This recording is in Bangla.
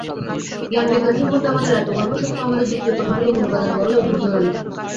জ্ঞানবিজ্ঞান সম্বন্ধে আমাদের এত গর্ব সত্ত্বেও আমাদের যুক্তির কতকগুলি মূল উপাদান বড়ই অদ্ভুত ধরনের।